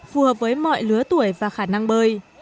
phù hợp với mọi lứa tuổi và khả năng bơi